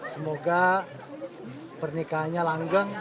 semoga pernikahannya langgang